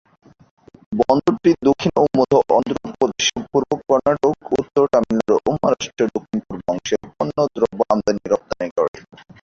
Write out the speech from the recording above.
বন্দরটি দক্ষিণ ও মধ্য অন্ধ্রপ্রদেশ, পূর্ব কর্ণাটক, উত্তর তামিলনাড়ু ও মহারাষ্ট্রের দক্ষিণ-পূর্ব অংশের পণ্য দ্রব্য আমদানি-রপ্তানি করে।